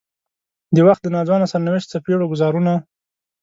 د وخت د ناځوانه سرنوشت څپېړو ګوزارونه.